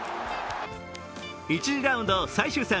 １次ラウンド最終戦